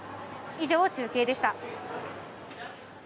以上、中継でした。